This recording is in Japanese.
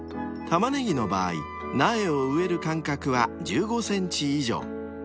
［タマネギの場合苗を植える間隔は１５ｃｍ以上］